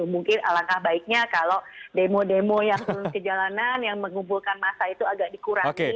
mungkin alangkah baiknya kalau demo demo yang turun ke jalanan yang mengumpulkan masa itu agak dikurangi